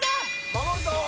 守るぞ！